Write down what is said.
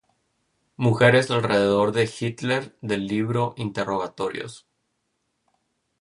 Mujeres alrededor de Hitler" del libro "Interrogatorios.